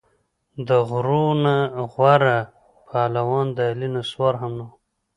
د غورو نه غوره پهلوان د علي نسوار هم نه وو.